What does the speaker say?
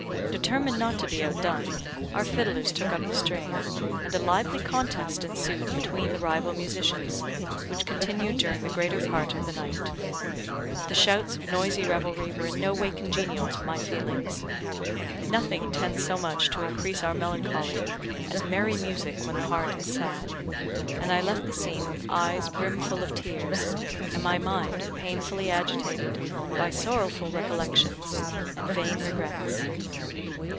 Determined not to be outdone, our fiddlers took up the strain, and a lively contest ensued between the rival musicians, which continued during the greater part of the night. The shouts of noisy revelry were in no way congenial to my feelings. Nothing tends so much to increase our melancholy as merry music when the heart is sad; and I left the scene with eyes brimful of tears, and my mind painfully agitated by sorrowful recollections and vain regrets.